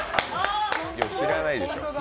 知らないでしょ。